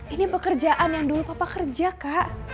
ini pekerjaan yang dulu papa kerja kak